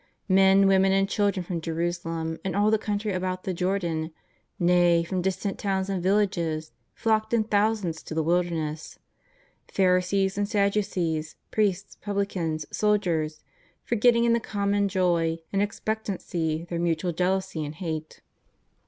Men, women and children from Jerusalem and all the country about the Jordan, nay, from distant towns and villages, flocked in thousands to the wilderness — Pharisees and Sadducees, priests, publicans, soldiers, forgetting in the common joy and expectancy their mutual jealousy and hate.